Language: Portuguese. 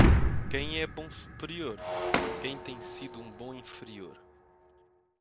Quem é bom superior? Quem tem sido um bom inferior.